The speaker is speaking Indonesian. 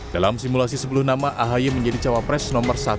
dalam simulasi sebelum nama ahy menjadi cawapres nomor satu